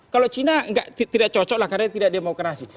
kalau cina tidak cocok lah karena tidak demokrasi